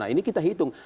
nah ini kita hitung